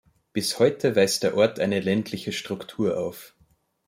Bis heute weist der Ort eine ländliche Struktur auf.